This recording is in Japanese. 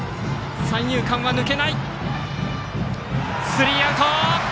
スリーアウト！